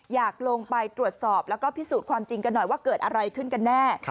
อยากลงไปตรวจสอบแล้วก็พิสูจน์ความจริงกันหน่อยว่าเกิดอะไรขึ้นกันแน่